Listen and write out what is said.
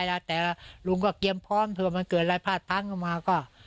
อะไรล่ะแต่ลุงก็เกรียมพร้อมเผื่อมันเกิดอะไรพลาดตั้งขึ้นมาก็